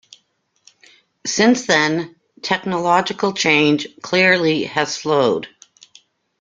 Since then, technological change clearly has slowed.